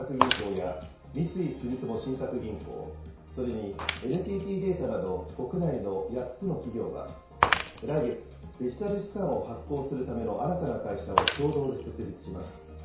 や、三井住友信託銀行、それにＮＴＴデータなど、国内の８つの企業は、来月、デジタル資産を発行するための新たな会社を共同で設立します。